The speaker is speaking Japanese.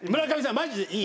マジでいい。